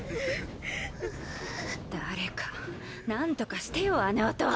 誰かなんとかしてよあの音。